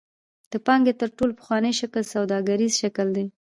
د پانګې تر ټولو پخوانی شکل سوداګریز شکل دی.